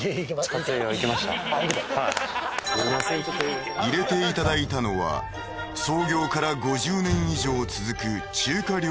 はい入れていただいたのは創業から５０年以上続く